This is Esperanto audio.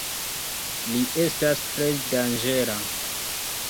Li estas tre danĝera.